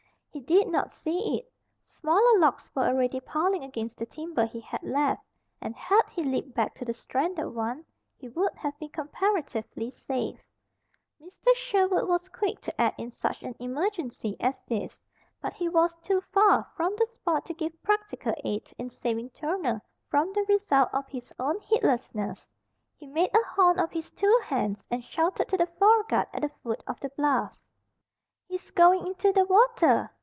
He did not see it. Smaller logs were already piling against the timber he had left, and had he leaped back to the stranded one he would have been comparatively safe. Mr. Sherwood was quick to act in such an emergency as this; but he was too far from the spot to give practical aid in saving Turner from the result of his own heedlessness. He made a horn of his two hands and shouted to the foreguard at the foot of the bluff: "He's going into the water!